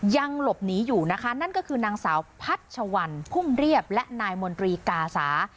ยังหลบหนีอยู่นะคะนั่นก็คือนางสาวพัชวัลพุ่มเรียบและนายมนตรีกาสา